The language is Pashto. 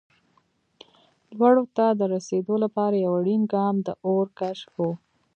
لوړو ته د رسېدو لپاره یو اړین ګام د اور کشف و.